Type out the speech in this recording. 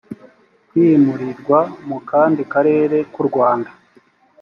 kwimurirwa mu kandi karere ku rwanda